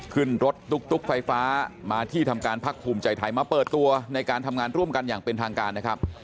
ขึ้นรถตุ๊กไฟฟ้ามาที่ทำการพักภูมิใจไทยมาเปิดตัวในการทำงานร่วมกันอย่างเป็นทางการนะครับ